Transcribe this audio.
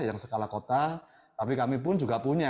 yang skala kota tapi kami pun juga punya